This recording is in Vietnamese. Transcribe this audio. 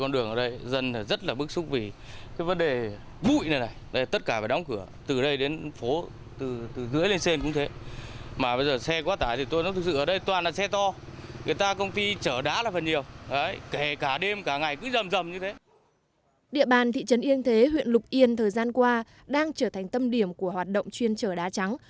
địa bàn thị trấn yên thế huyện lục yên thời gian qua đang trở thành tâm điểm của hoạt động chuyên trở đá trắng